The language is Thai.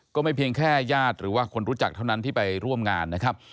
ก็ไม่เพียงแค่ญาติหรือว่าคนรู้จักเท่านั้นที่ไปร่วมงานนะครับ